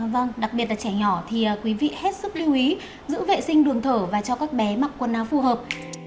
vâng đặc biệt là trẻ nhỏ thì quý vị hết sức lưu ý giữ vệ sinh đường thở và cho các bé mặc quần áo phù hợp